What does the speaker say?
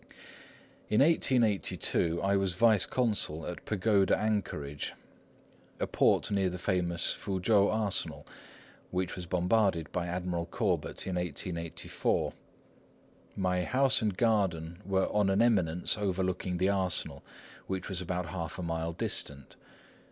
In 1882 I was vice consul at Pagoda Anchorage, a port near the famous Foochow Arsenal which was bombarded by Admiral Courbet in 1884. My house and garden were on an eminence overlooking the arsenal, which was about half a mile distant.